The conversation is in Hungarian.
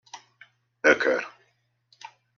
Ökör!